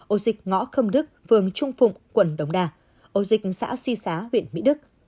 ổ dịch ngõ khâm đức vườn trung phụng quận đồng đà ổ dịch xã suy xá huyện mỹ đức